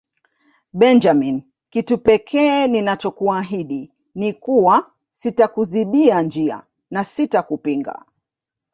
Benjamin kitu pekee ninachokuahidi ni kuwa sitakuzibia njia na sitakupinga